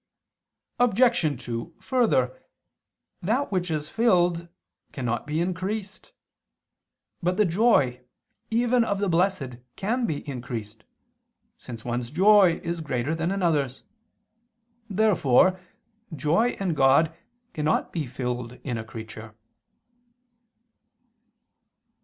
Obj. 2: Further, that which is filled cannot be increased. But the joy, even of the blessed, can be increased, since one's joy is greater than another's. Therefore joy in God cannot be filled in a creature.